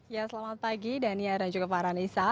ya selamat pagi dania dan juga para nisa